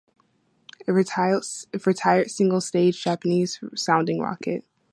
A retired single stage Japanese sounding rocket.